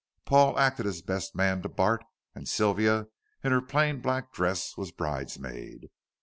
Paul acted as best man to Bart, and Sylvia, in her plain black dress, was bridesmaid.